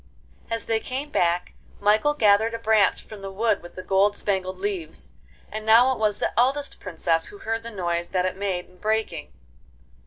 As they came back, Michael gathered a branch from the wood with the gold spangled leaves, and now it was the eldest Princess who heard the noise that it made in breaking.